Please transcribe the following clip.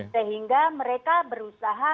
sehingga mereka berusaha